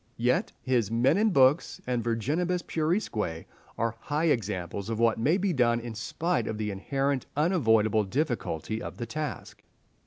Yet his "Men and Books" and "Virginibus Puerisque" are high examples of what may be done in spite of the inherent unavoidable difficulty of the task.